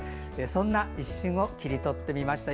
そんな一瞬を切り取ってみました。